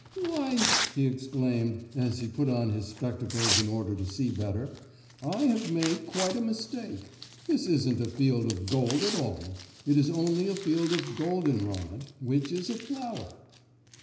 "Why!" he exclaimed, as he put on his spectacles in order to see better. "I have made quite a mistake. This isn't a field of gold at all, it is only a field of golden rod, which is a flower."